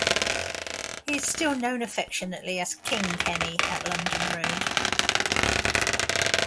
He is still known affectionately as King Kenny at London Road.